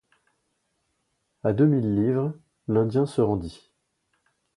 À deux mille livres, l’Indien se rendit.